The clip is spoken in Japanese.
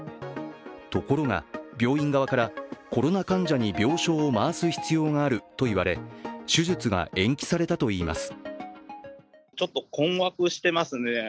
ところが病院側から、コロナ患者に病床を回す必要があると言われ手術が延期されたといいます。